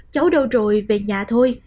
cháu đâu rồi về nhà thôi